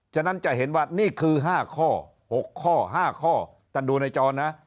ฉะนั้นจะเห็นว่านี่คือ๕ข้อ๖ข้อ๕ข้อท่านดูในจอนะ